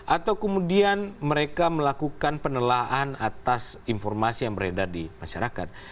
atau kemudian mereka melakukan penelaan atas informasi yang beredar di masyarakat